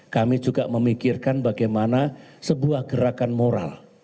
kami juga memikirkan bagaimana sebuah gerakan moral